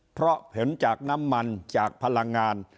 เพราะเห็นจากน้ำมันจากพลังงาน